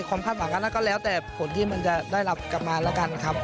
ความคาดหวังก็แล้วแต่ผลที่มันจะได้รับกลับมาแล้วกันครับ